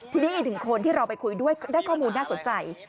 ทีนี้อีกหนึ่งคนที่เราไปคุยด้วยได้ข้อมูลน่าสนใจ